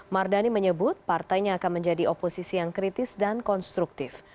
mardani menyebut partainya akan menjadi oposisi yang kritis dan konstruktif